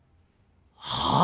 はあ？